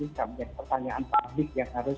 ini pertanyaan publik yang harus